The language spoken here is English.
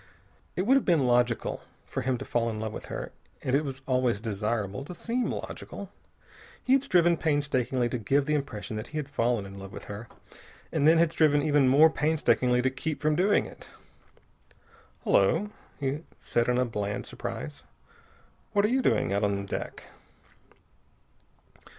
It would have been logical for him to fall in love with her, and it is always desirable to seem logical. He had striven painstakingly to give the impression that he had fallen in love with her and then had striven even more painstakingly to keep from doing it. "Hullo," he said in bland surprise. "What are you doing out on deck?"